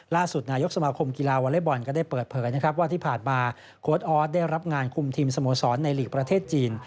ล่าสุดนายกสมาคมกีฬาวอเล็กบอลก็ได้เปิดเผยนะครับว่าที่ผ่านมาโค้ดออสได้รับงานคุมทีมสโมสรในหลีกประเทศจีน